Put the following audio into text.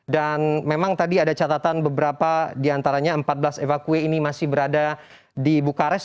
dan memang tadi ada catatan beberapa diantaranya empat belas evakue ini masih berada di bukarest